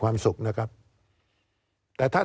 การเลือกตั้งครั้งนี้แน่